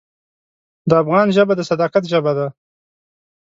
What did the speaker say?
د افغان ژبه د صداقت ژبه ده.